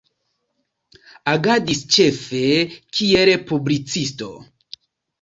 Agadis, ĉefe, kiel publicisto.